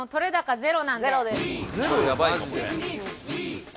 ゼロやばいかもね。